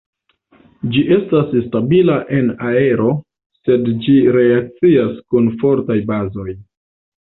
Ĝi estas stabila en aero sed ĝi reakcias kun fortaj bazoj.